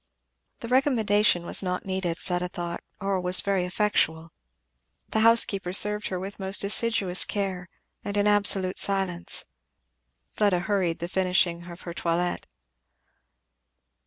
The recommendation was not needed, Fleda thought, or was very effectual; the housekeeper served her with most assiduous care, and in absolute silence. Fleda hurried the finishing of her toilet.